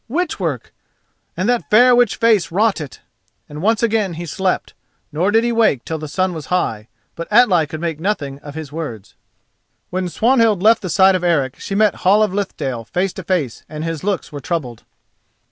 witch work! and that fair witch face wrought it." And once again he slept, nor did he wake till the sun was high. But Atli could make nothing of his words. When Swanhild left the side of Eric she met Hall of Lithdale face to face and his looks were troubled.